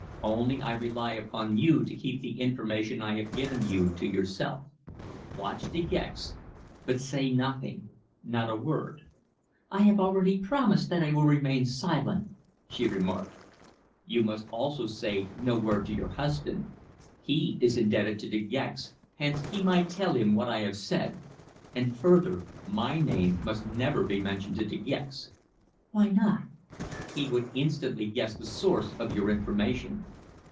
Only I rely upon you to keep the information I have given you to yourself. Watch De Gex, but say nothing not a word." "I have already promised that I will remain silent," she remarked. "You must also say no word to your husband. He is indebted to De Gex, hence he might tell him what I have said. And further, my name must never be mentioned to De Gex." "Why not?" "He would instantly guess the source of your information."